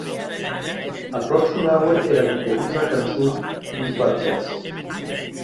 Aprop sonaue era guiterosa cançon d’uns barquèrs.